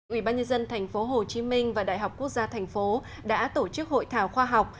ủy ban nhân dân tp hcm và đại học quốc gia tp đã tổ chức hội thảo khoa học